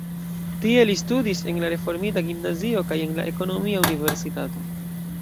Tie li studis en la reformita gimnazio kaj en la ekonomia universitato.